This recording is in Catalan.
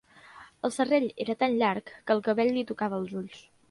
El serrell era tan llarg que el cabell li tocava els ulls